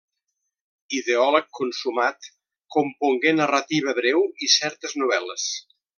Ideòleg consumat, compongué narrativa breu i certes novel·les.